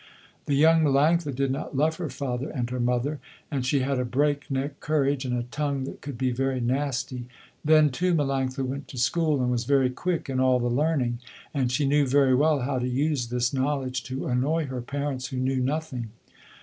The young Melanctha did not love her father and her mother, and she had a break neck courage, and a tongue that could be very nasty. Then, too, Melanctha went to school and was very quick in all the learning, and she knew very well how to use this knowledge to annoy her parents who knew nothing.